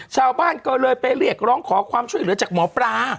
ชาวบ้านก็เลยไปเรียกร้องขอความช่วยเหลือจากหมอปลา